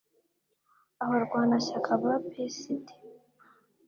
abarwanashyaka ba psd